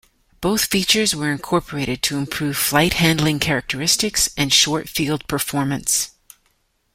Both features were incorporated to improve flight handling characteristics and short-field performance.